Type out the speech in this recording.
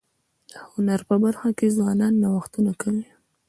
د هنر په برخه کي ځوانان نوښتونه کوي.